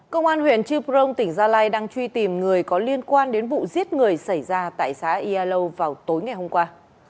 công an huyện chư prong tỉnh gia lai đang truy tìm người có liên quan đến vụ giết người xảy ra tại xã yalo vào tối ngày hôm qua